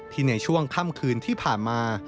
ในช่วงค่ำคืนที่ผ่านมา